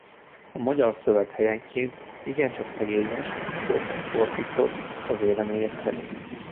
A magyar szöveg helyenként igencsak szegényes és rosszul fordított a vélemények szerint.